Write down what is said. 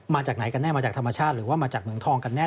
มาจากไหนกันแน่มาจากธรรมชาติหรือว่ามาจากเหมืองทองกันแน่